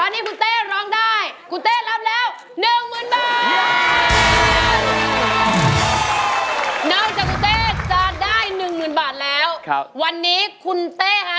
นอกจากคุณเต้จะได้หนึ่งหมื่นบาทแล้วครับวันนี้คุณเต้ฮะ